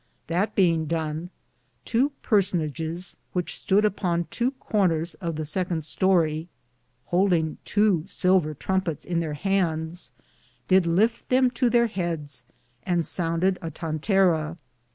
That beinge done, tow personagis which stood upon to corners of the seconde storie, houldinge tow silver trumpetes in there handes, did lifte them to theire heades, and sounded a tantarra.